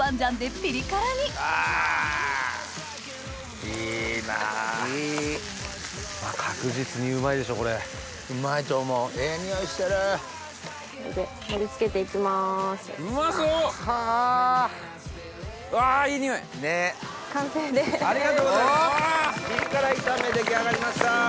ピリ辛炒め出来上がりました！